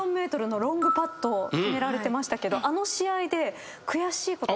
１４ｍのロングパットを決められてましたけどあの試合で。